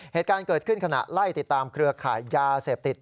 เหตุการณ์เกิดขึ้นขณะไล่ติดตามเครือข่ายยาเสพติด